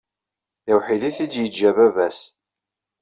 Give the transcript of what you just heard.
D awḥid i t-id yeǧǧa baba-s.